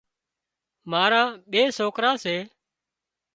مارا ٻي سوڪرا سي۔